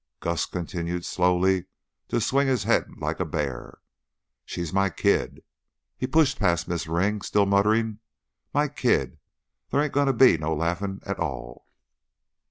Gus continued slowly to swing his head, like a bear. "She's my kid!" He pushed past Mrs. Ring, still muttering, "My kid there ain't a goin' to be no laughing at all."